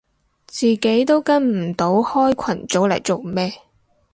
自己都跟唔到開群組嚟做咩